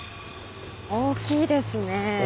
大きいですね。